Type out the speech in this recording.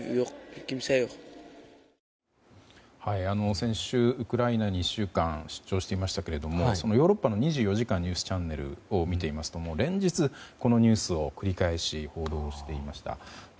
先週ウクライナに１週間出張していましたけどもヨーロッパの２４時間ニュースチャンネルを見ていると連日、このニュースを繰り返し報道していました。